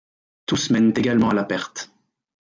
Tous mènent également à la perte.